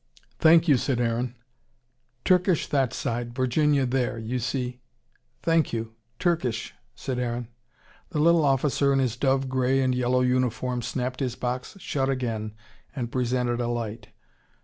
"Thank you," said Aaron. "Turkish that side Virginia there you see." "Thank you, Turkish," said Aaron. The little officer in his dove grey and yellow uniform snapped his box shut again, and presented a light.